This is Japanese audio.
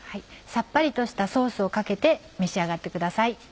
さっぱりとしたソースをかけて召し上がってください。